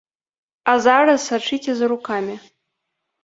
А зараз сачыце за рукамі.